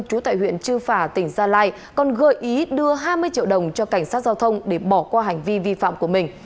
chú tại huyện trư phả tỉnh gia lai còn gợi ý đưa hai mươi triệu đồng cho cảnh sát giao thông để bỏ qua hành vi vi phạm của mình